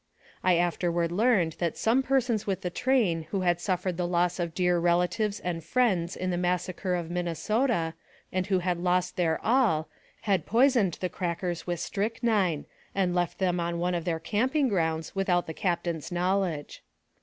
I afterward learned that some persons with the train who had suffered the loss of dear relatives and friends in the massacre of Minnesota, and who had lost their all, had poisoned the crackers with strychnine, and left them on one of their camping grounds without the captain's knowledge.